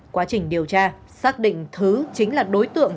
quá trình điều tra xác định thứ chính là đối tượng